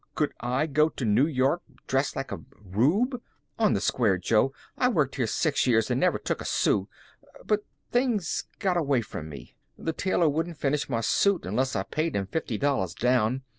Could I go to New York dressed like a rube? On the square, Jo, I worked here six years and never took a sou. But things got away from me. The tailor wouldn't finish my suit unless I paid him fifty dollars down.